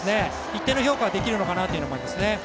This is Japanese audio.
一定の評価はできるのかなと思いますね。